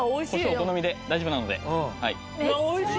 お好みで大丈夫なのではい